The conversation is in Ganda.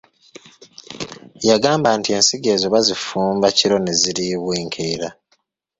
Yagamba nti ensigo ezo bazifumba kiro ne ziriibwa enkeera.